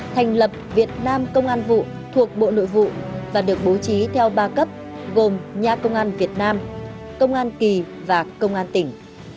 thành lập việt nam công an vụ thuộc bộ nội vụ và được bố trí theo ba cấp gồm nhà công an việt nam công an kỳ và công an tỉnh